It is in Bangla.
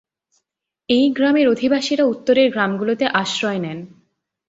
এই গ্রামের অধিবাসীরা উত্তরের গ্রামগুলিতে আশ্রয় নেন।